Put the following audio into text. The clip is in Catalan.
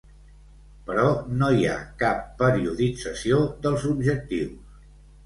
Però no hi ha cap periodització dels objectius.